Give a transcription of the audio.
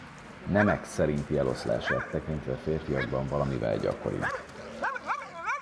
Nemek szerinti eloszlását tekintve férfiakban valamivel gyakoribb.